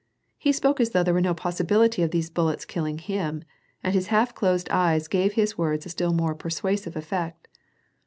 He spoke as though there were no possibility of these bullets killing him, and his half cloju'd eyes gave his words a still more persuasive effect.